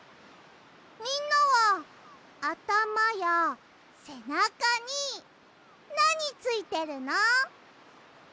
みんなはあたまやせなかになについてるの？